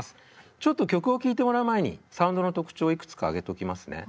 ちょっと曲を聴いてもらう前にサウンドの特徴をいくつか挙げときますね。